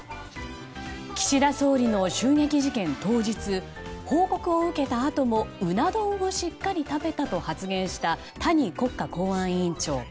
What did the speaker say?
岸田総理の襲撃事件当日報告を受けたあともうな丼をしっかり食べたと発言した谷国家公安委員長。